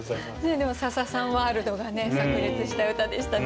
でも笹さんワールドがさく裂した歌でしたね。